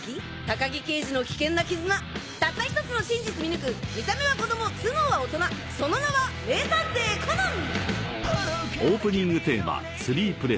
高木刑事の危険な絆たった１つの真実見抜く見た目は子供頭脳は大人その名は名探偵コナン！